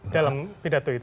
dalam pidato itu